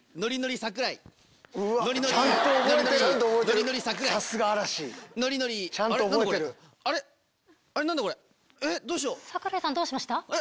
櫻井さんどうしました？